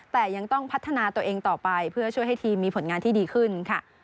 แต่ยังต้องพัฒนาตัวเองต่อไปเพื่อช่วยให้ทีมมีผลงานที่ดีขึ้นค่ะ